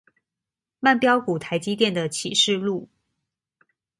慢飆股台積電的啟示錄